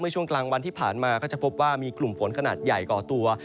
ช่วงกลางวันที่ผ่านมาก็จะพบว่ามีกลุ่มฝนขนาดใหญ่ก่อตัว